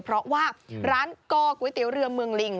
เพราะว่าร้านก่อก๋วยเตี๋ยวเรือเมืองลิง